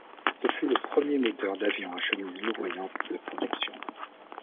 Ce fut le premier moteur d'avion à chemises louvoyantes de production.